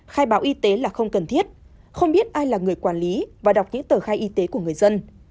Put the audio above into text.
khai báo y tế là không cần thiết không biết ai là người quản lý và đọc những tờ khai y tế của người dân